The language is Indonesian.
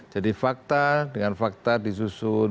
jadi fakta dengan fakta disusun